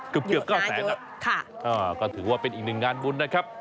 เกือบ๙แสนก็ถือว่าเป็นอีกหนึ่งงานบุญนะครับ